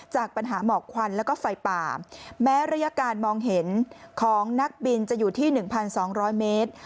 จากปัญหาหมอกควันแล้วก็ไฟป่าแม้ระยะการมองเห็นของนักบินจะอยู่ที่๑๒๐๐เมตร